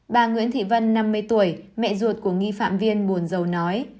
bà nguyễn thị vân năm mươi tuổi